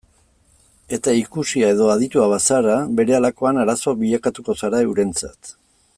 Eta ikusia edo aditua bazara, berehalakoan arazo bilakatuko zara eurentzat.